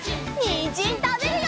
にんじんたべるよ！